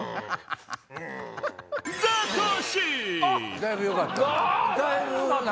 だいぶよかった。